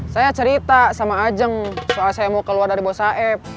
saya cerita sama ajeng soal saya mau keluar dari bos aeb